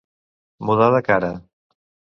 Mudar de cara.